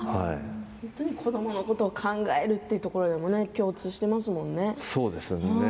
子どものことを考えるというところでも共通していますものね。